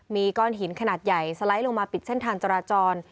มีก้อนหินขนาดใหญ่สไลด์ลงมาปิดเส้นทางจราจร